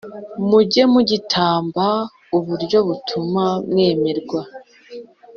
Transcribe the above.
Mujye mugitamba uburyo butuma mwemerwa